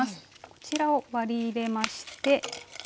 こちらを割り入れまして。